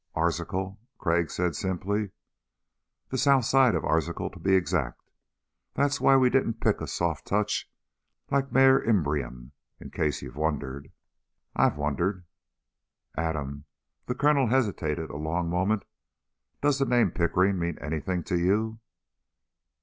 "Arzachel," Crag said simply. "The south side of Arzachel, to be exact. That's why we didn't pick a soft touch like Mare Imbrium, in case you've wondered." "I've wondered." "Adam," the Colonel hesitated a long moment, "does the name Pickering mean anything to you?"